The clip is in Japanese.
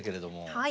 はい。